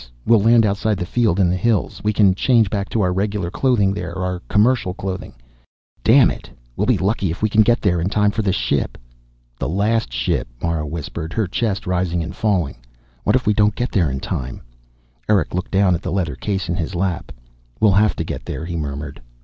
We'll land outside the field, in the hills. We can change back to our regular clothing there, our commercial clothing. Damn it we'll be lucky if we can get there in time for the ship." "The last ship," Mara whispered, her chest rising and falling. "What if we don't get there in time?" Erick looked down at the leather case in his lap. "We'll have to get there," he murmured.